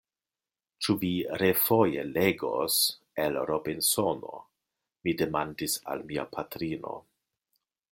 Ĉu vi refoje legos el Robinsono? mi demandis al mia patrino.